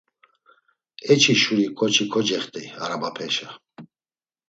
Eçi şuri ǩoçi kocext̆ey arabapeşa.